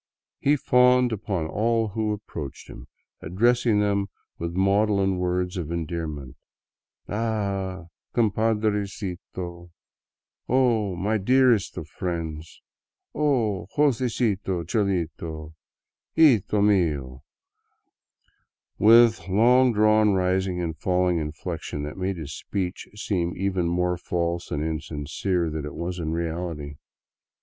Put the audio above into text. He fawned upon all who approached him, addressing them with maudlin words of endearment, —" Ah, compadrecito !"" Oh, my dearest of friends !"" Oh, Josecito cholito, hijito mio !" r with a long drawn, rising and falling inflection that made his speech seem even more false and insincere than it was in reality.